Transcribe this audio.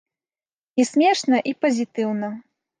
І смешна, і пазітыўна.